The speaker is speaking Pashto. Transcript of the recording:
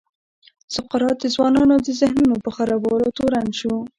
سقراط د ځوانانو د ذهنونو په خرابولو تورن شو.